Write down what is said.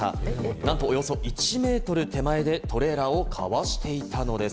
なんとおよそ１メートル手前でトレーラーをかわしていたのです。